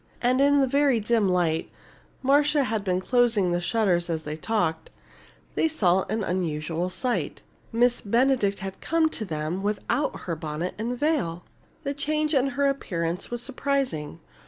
And in the very dim light (Marcia had been closing the shutters as they talked) they saw an unusual sight. Miss Benedict had come to them without her bonnet and veil! The change in her appearance was surprising.